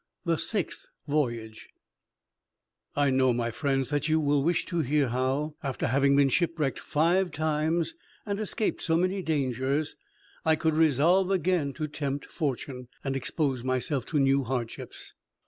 THE SIXTH VOYAGE I know, my friends, that you will wish to hear how, after having been shipwrecked five times, and escaped so many dangers, I could resolve again to tempt fortune, and expose myself to new hardships.